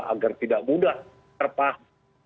agar tidak mudah terpaham